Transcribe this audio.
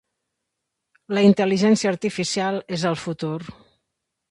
La intel·ligència artificial és el futur.